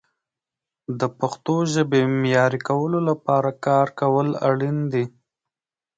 د پښتو ژبې معیاري کولو لپاره کار کول اړین دي.